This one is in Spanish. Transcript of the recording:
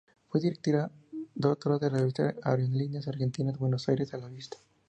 Fue directora de la revista de Aerolíneas Argentinas "Buenos Aires a la vista".